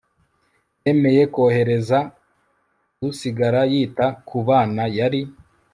bemeye kohereza usigara yita ku bana yari